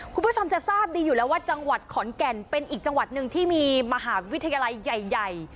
คุณผู้ชมจะทราบดีอยู่แล้วว่าจังหวัดขอนแก่นเป็นอีกจังหวัดหนึ่งที่มีมหาวิทยาลัยใหญ่